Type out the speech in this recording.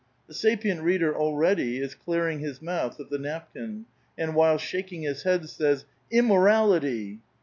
The sapient reader already is clearing his mouth of the nap kin, and, while shaking his head, says :—'' Immorality